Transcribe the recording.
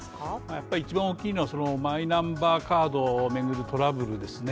やっぱり一番の大きいのはマイナンバーカードを巡るトラブルですね。